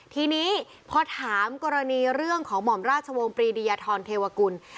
ทีนี้พอถามกรณีเรื่องของหม่อมราชวงศ์ปรีดียธรเทวกุล